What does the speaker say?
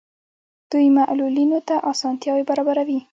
دوی معلولینو ته اسانتیاوې برابروي.